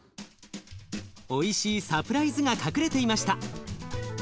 おいしいサプライズが隠れていました。